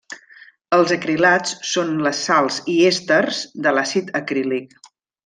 Els acrilats són les sals i èsters de l'àcid acrílic.